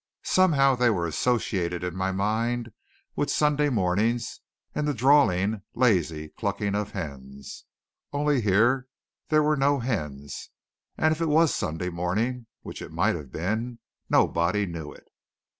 Somehow they were associated in my mind with Sunday morning and the drawling, lazy clucking of hens. Only here there were no hens, and if it was Sunday morning which it might have been nobody knew it.